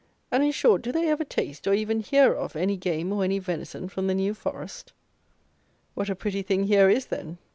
And, in short, do they ever taste, or even hear of, any game, or any venison, from the New Forest? What a pretty thing here is, then!